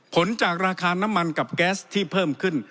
ผลจากราคาน้ำมันกับแก๊สที่เพิ่มขึ้น